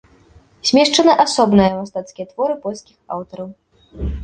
Змешчаны асобныя мастацкія творы польскіх аўтараў.